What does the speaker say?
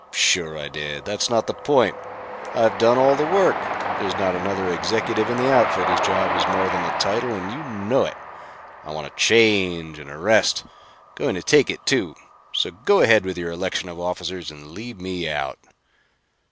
"Sure I did. That's not the point. I've done all the work. There's not another executive in the outfit whose job is more than a title, and you know it. I want a change and a rest. Going to take it, too. So, go ahead with your election of officers and leave me out."